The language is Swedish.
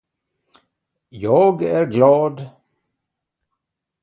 Jag är glad.